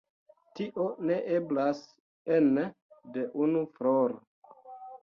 Tio ne eblas ene de unu floro.